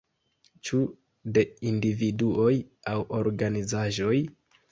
Ĉu de individuoj aŭ organizaĵoj?